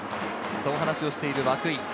そう話しをしている涌井。